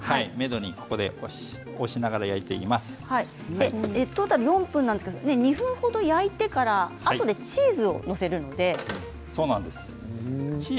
トータル４分なんですが２分ほど焼いてからあとでチーズを載せるんですね。